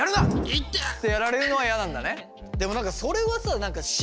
いてっ！ってやられるのはやなんだね。